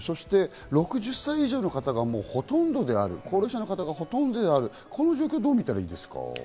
６０歳以上の方がほとんどである、高齢者の方がほとんどである、この状況をどう見たらいいですか？